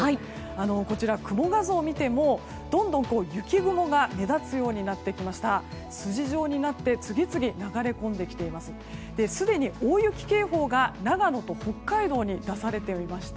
こちら、雲画像を見てもどんどん雪雲が目立つようになってきました。